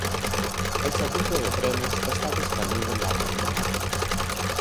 El servicio de trenes está disponible en la terminal.